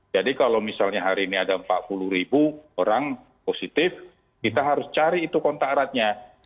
jadi kalau misalnya hari ini ada empat puluh ribu orang positif kita harus cari itu kontak eratnya